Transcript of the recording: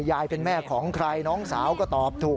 แม่เป็นแม่ของใครน้องสาวก็ตอบถูก